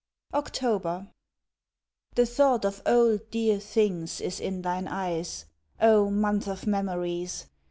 October The thought of old, dear things is in thine eyes, O, month of memories!